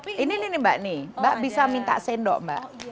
ini nih mbak nih mbak bisa minta sendok mbak